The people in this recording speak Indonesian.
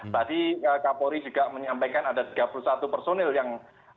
tadi kapolri juga menyampaikan ada tiga puluh satu personil yang